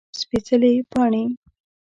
سپيڅلي پاڼې